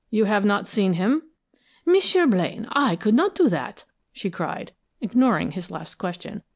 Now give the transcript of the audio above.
You have not seen him?" "M'sieu Blaine, I could not do that!" she cried, ignoring his last question.